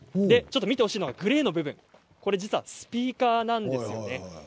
見てほしいのはグレーの部分、実はスピーカーなんですよね。